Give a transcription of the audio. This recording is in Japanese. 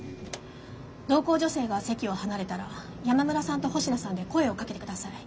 同行女性が席を離れたら山村さんと星名さんで声をかけて下さい。